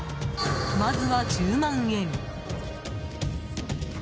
まずは、１０万円。